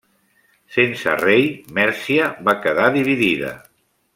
Sense rei, Mèrcia va quedar dividida.